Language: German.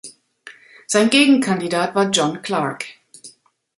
Sein Gegenkandidat war John Clark.